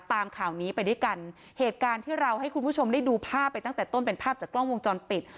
ตามข่าวนี้ไปด้วยกันเหตุการณ์ที่เราให้คุณผู้ชมได้ดูภาพไปตั้งแต่ต้นเป็นภาพจากกล้องวงจรปิด